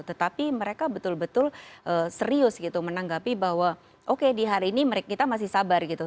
tetapi mereka betul betul serius gitu menanggapi bahwa oke di hari ini kita masih sabar gitu